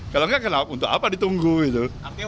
kalau nggak untuk apa ditunggu itu